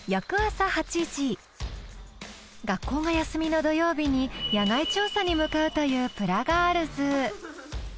学校が休みの土曜日に野外調査に向かうというプラガールズ。